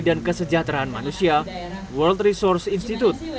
dan kesejahteraan manusia world resource institute